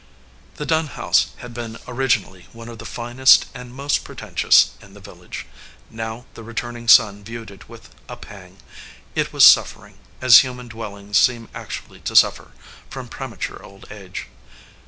The Dunn house had been originally one of the finest and most pretentious in the village. Now the returning son viewed it with a pang. It was suffering, as human dwellings seem actually to suffer, from premature old age.